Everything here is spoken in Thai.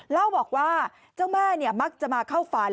เล่าบอกว่าเจ้าแม่มักจะมาเข้าฝัน